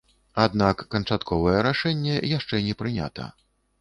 Аднак канчатковае рашэнне яшчэ не прынята.